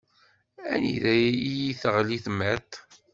Anida iyi-teɣli timiṭ?